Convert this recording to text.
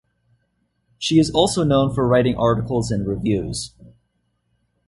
She is also known for writing articles and reviews.